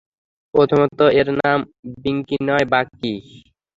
প্রথমত, ওর নাম বিঙ্কি নয়, বাকি।